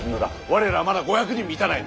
我らはまだ５００に満たない。